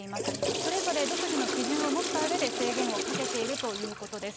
それぞれ独自の基準を持ったうえで、制限をかけているということです。